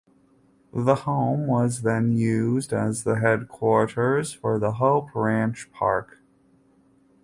The home was then used as the headquarters for the Hope Ranch Park.